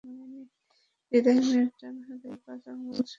হৃদয় মিয়ার ডান হাতের পাঁচ আঙুলসহ কিছু অংশ বিচ্ছিন্ন হয়ে গেছে।